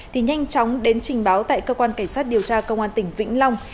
thì nhanh chóng đến trình báo tại cơ quan cảnh sát điều tra công an tỉnh vĩnh long